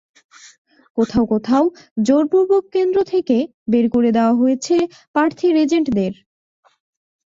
কোথাও কোথাও জোরপূর্বক কেন্দ্র থেকে বের করে দেওয়া হয়েছে প্রার্থীর এজেন্টদের।